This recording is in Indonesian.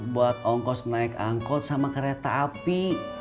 buat ongkos naik angkot sama kereta api